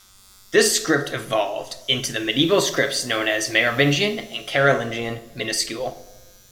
This script evolved into the medieval scripts known as Merovingian and Carolingian minuscule.